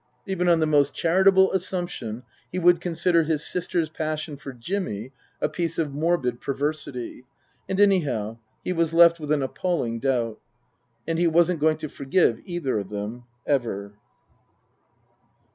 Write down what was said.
(Even on the most charitable assumption he would consider his sister's passion for Jimmy a piece of morbid perversity.) And anyhow, he was left with an appalling doubt. And he wasn't going to forgive either of them, ever.